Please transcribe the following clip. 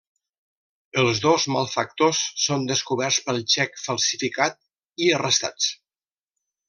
Els dos malfactors són descoberts pel xec falsificat i arrestats.